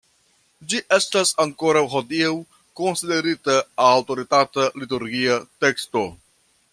Ĝi estas ankoraŭ hodiaŭ konsiderita aŭtoritata liturgia teksto.